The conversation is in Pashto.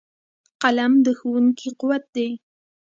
قلم د ښوونکو قوت دی